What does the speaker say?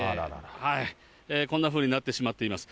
こんなふうになってしまっています。